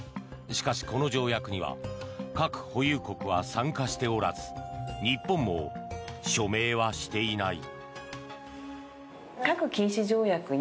しかし、この条約には核保有国は参加しておらず日本も署名はしていない。